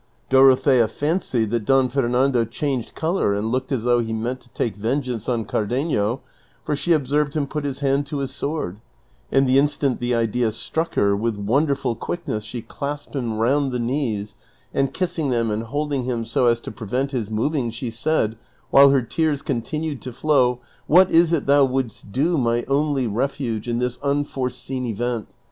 Dorothea fancied that Don Fernando changed color and looked as though he meant to take vengeance on Cardenio, for she observed him put his hand to his sword ; and the instant the idea struck her, with wonderful quickness she clasped him round the knees, and kissing them and holding him so as to prevent his moving, she said, while her tears continued to flow, " What is it thou wouldst do, my only refuge, in this unforeseen event